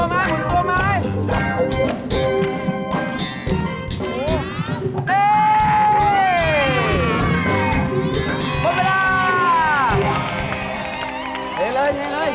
พร้อมใหญ่